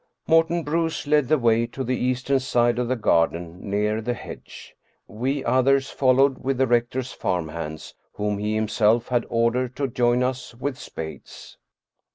Morten Bruus led the way to the eastern side of the garden near the hedge. We others followed with the rector's farm hands, whom he himself had ordered to join us with spades.